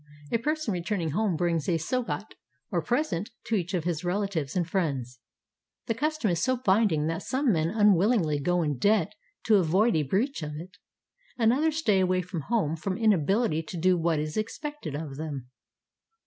A person returning home brings a sogat or present to each of his relatives and friends. The custom is so binding that some men unwillingly go in debt to avoid a breach of it, and others stay away from home from inabihty to do what is expected of them.